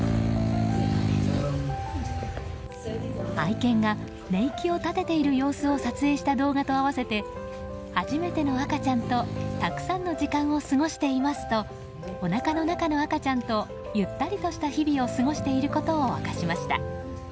愛犬が寝息を立てている様子を撮影した動画と合わせて初めての赤ちゃんとたくさんの時間を過ごしていますとおなかの中の赤ちゃんとゆったりとした日々を過ごしていることを明かしました。